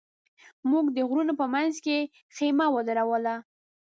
موږ د غرونو په منځ کې خېمه ودروله.